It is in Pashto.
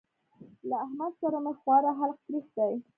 له احمد سره مې خورا حلق تريخ دی.